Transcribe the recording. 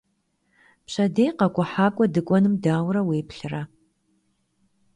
Pşedêy khek'uhak'ue dık'uenım daure vuêplhıre?